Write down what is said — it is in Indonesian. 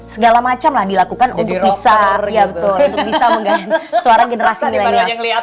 segala macam lah dilakukan untuk bisa mengganti suara generasi milenial